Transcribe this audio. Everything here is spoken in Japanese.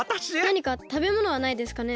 なにかたべものはないですかね？